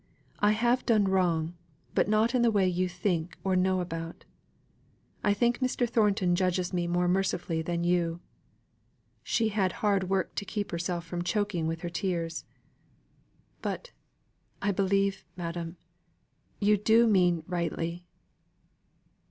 "I have done wrong, but not in the way you think or know about. I think Mr. Thornton judges me more mercifully than you;" she had hard work to keep herself from choking with her tears "but, I believe, madam, you mean to do rightly."